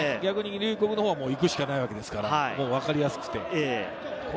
逆に龍谷のほうは行くしかないわけですから、わかりやすい。